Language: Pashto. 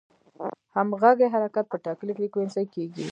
همغږي حرکت په ټاکلې فریکونسي کېږي.